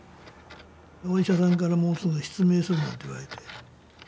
お医者さんからもうすぐ失明するなんて言われて。